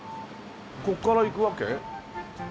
ここから行くわけ？